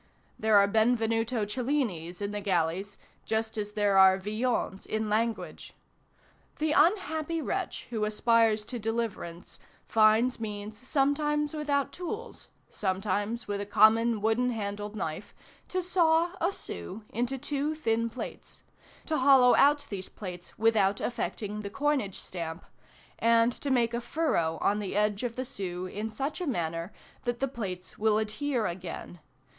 There are Benvenuto Cellinis in the galleys, just as there are Villons in language. The unhappy wretch who aspires to deliverance finds means sometimes without tools, sometimes with a common wooden handled knife, to saw a sou into two thin plates, to hollow out these plates without affecting the coinage stamp, and to make a furrow on the edge of the sou in such a manner that the plates will adhere again.